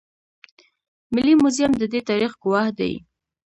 ملي موزیم د دې تاریخ ګواه دی